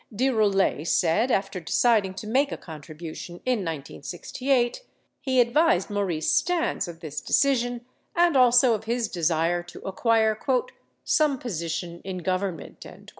De Roulet said, after deciding to make a contribution in 1968, he advised Maurice Stans of this deci sion and also of his desire to acquire "some position in Government."